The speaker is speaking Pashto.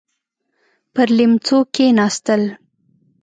پر ليمڅو کېناستل.